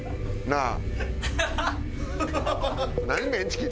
なあ？